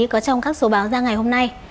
có trong các số trường trung học phổ thông